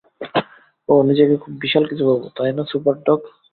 ওহ, নিজেকে খুব বিশাল কিছু ভাবো, তাই না, সুপারডগ?